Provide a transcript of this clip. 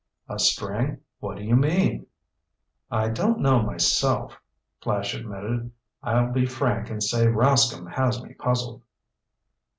"A string? What do you mean?" "I don't know myself," Flash admitted. "I'll be frank and say Rascomb has me puzzled."